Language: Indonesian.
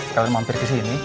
sekarang mampir kesini